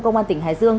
công an tỉnh hải dương